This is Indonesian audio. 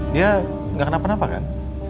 dia nggak kenapa napa kan